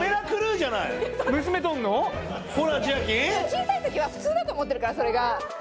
小さいときは普通だと思ってるからそれが。